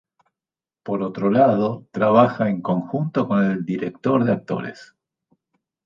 Por otro lado, trabaja en conjunto con el director de actores.